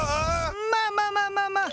まあまあまあまあまあ！